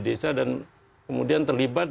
desa dan kemudian terlibat